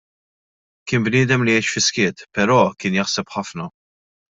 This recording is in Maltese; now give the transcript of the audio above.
Kien bniedem li jgħix fis-skiet, però kien jaħseb ħafna.